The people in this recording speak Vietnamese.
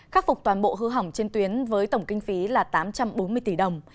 khắc phục toàn bộ hư hỏng trên tuyến với tổng kinh phí là tám trăm bốn mươi tỷ đồng